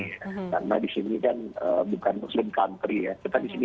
karena di sini kan bukan muslim country ya